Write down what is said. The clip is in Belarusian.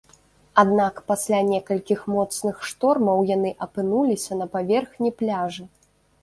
Аднак пасля некалькіх моцных штормаў яны апынуліся на паверхні пляжа.